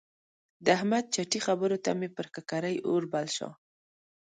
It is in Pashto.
د احمد چټي خبرو ته مې پر ککرۍ اور بل شو.